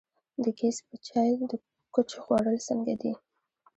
د ګیځ په چای د کوچو خوړل څنګه دي؟